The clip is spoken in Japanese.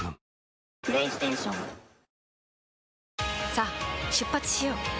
⁉さあ出発しよう。